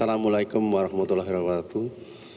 assalamu'alaikum warahmatullahi wabarakatuh